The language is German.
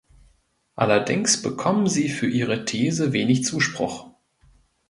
Allerdings bekommen sie für ihre These wenig Zuspruch.